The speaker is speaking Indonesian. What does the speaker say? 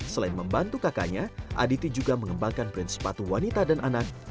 selain membantu kakaknya aditi juga mengembangkan print sepatu wanita dan anak